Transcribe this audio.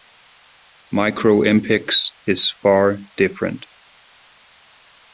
MicroEmpix is far different.